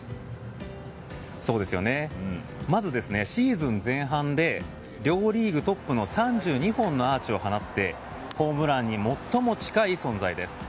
まずシーズン前半で両リーグトップの３２本のアーチを放ってホームラン王に最も近い存在です。